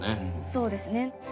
そうですね。